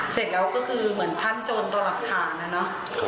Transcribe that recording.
เสร็จแล้วก็คือเหมือนท่านโจรตัวหลักฐานนะเนอะ